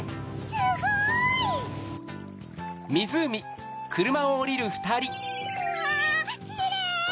すごい！うわキレイ！